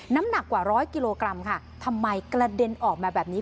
น้ำหนักกว่าร้อยกิโลกรัมค่ะทำไมกระเด็นออกมาแบบนี้